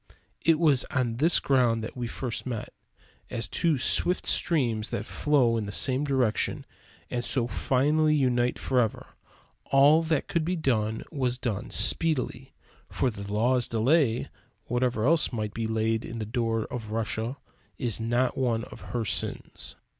It was on this ground that we first met; as two swift streams that flow in the same direction and so finally unite forever. All that could be done was done speedily; for "the law's delay," whatever else must be laid to the door of Russia, is not one of her sins.